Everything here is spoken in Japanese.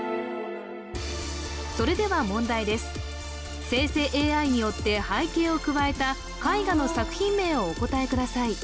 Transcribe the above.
それでは問題です生成ＡＩによって背景を加えた絵画の作品名をお答えください